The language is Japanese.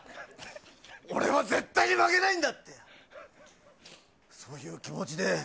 俺は、絶対に負けないんだってそういう気持ちで。